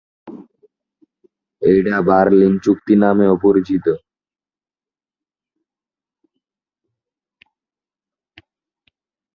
এটি বার্লিন চুক্তি নামেও পরিচিত।